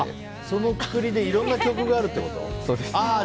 そのくくりでいろんな曲があるってこと？